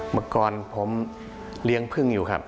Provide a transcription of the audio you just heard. เมื่อก่อนผมเลี้ยงพึ่งอยู่ครับ